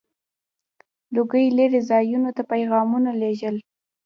• لوګی لرې ځایونو ته پيغامونه لیږل.